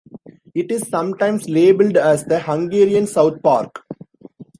It is sometimes labelled as the Hungarian South Park.